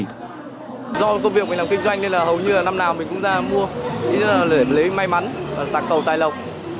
do công việc mình làm kinh doanh nên là hầu như là năm nào mình cũng ra mua ít để lấy may mắn tặng cầu tài lộc